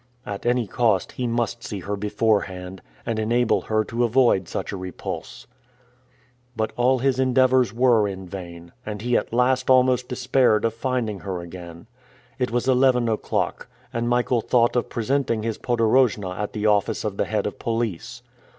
At any cost, he must see her beforehand, and enable her to avoid such a repulse. But all his endeavors were in vain, and he at length almost despaired of finding her again. It was eleven o'clock, and Michael thought of presenting his podorojna at the office of the head of police.